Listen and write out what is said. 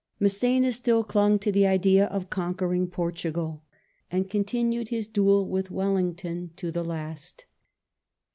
Mass^na still clung to the idea of conquering Portugal, and continued his duel with Wellington to the last.